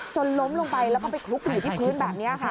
ล้มลงไปแล้วก็ไปคลุกอยู่ที่พื้นแบบนี้ค่ะ